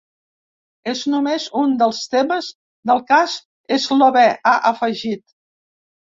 És només un dels temes del cas eslovè, ha afegit.